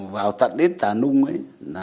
vào tận ít tà nung ấy